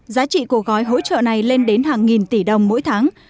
giá trị của gói hỗ trợ này lên đến hàng nghìn tỷ đồng mỗi tháng